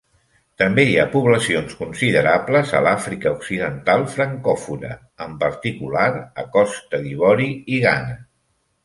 També hi ha poblacions considerables a l'Àfrica occidental francòfona, en particular a Costa d'Ivori i Ghana.